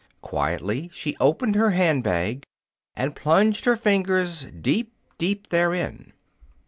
Quietly she opened her hand bag and plunged her fingers deep, deep therein.